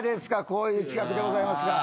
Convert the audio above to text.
こういう企画でございますが。